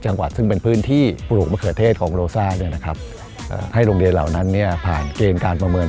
ให้โรงเรียนเหล่านั้นผ่านเกณฑ์การประเมิน